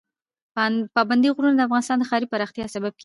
پابندی غرونه د افغانستان د ښاري پراختیا سبب کېږي.